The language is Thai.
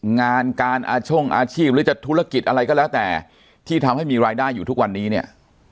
งานการอาช่งอาชีพหรือจะธุรกิจอะไรก็แล้วแต่ที่ทำให้มีรายได้อยู่ทุกวันนี้เนี่ย